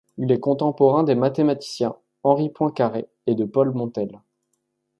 Il est contemporain des mathématiciens Henri Poincaré et de Paul Montel.